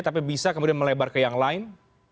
tapi bisa kemudian melebar ke yang lain